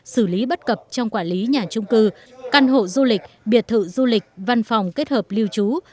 xử lý bất cập trong quản lý nhà trung cư căn hộ du lịch biệt thự du lịch văn phòng kết hợp lưu trú